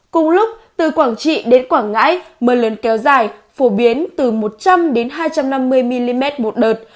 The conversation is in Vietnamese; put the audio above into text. cùng lúc từ quảng trị đến quảng ngãi mưa lớn kéo dài phổ biến từ một trăm linh hai trăm năm mươi mm một đợt